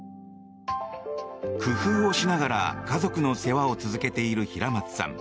工夫をしながら家族の世話を続けている平松さん。